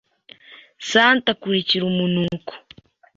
Santa akurikira umunuko